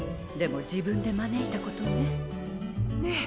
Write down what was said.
でも自分で招いたことね。